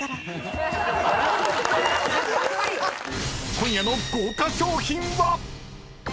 ［今夜の豪華賞品は⁉］